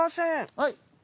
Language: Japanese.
はい。